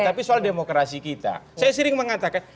tapi soal demokrasi kita saya sering mengatakan